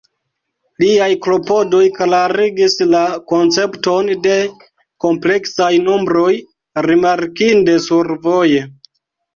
Liaj klopodoj klarigis la koncepton de kompleksaj nombroj rimarkinde survoje.